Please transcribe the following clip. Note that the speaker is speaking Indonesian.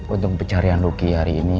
untuk pencarian rugi hari ini